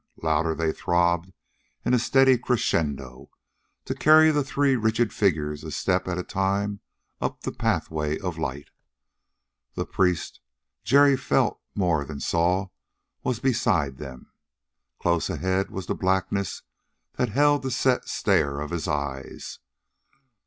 Louder they throbbed in a steady crescendo, to carry the three rigid figures a step at a time up the pathway of light. The priest, Jerry felt more than saw, was beside them. Close ahead was the blackness that held the set stare of his eyes.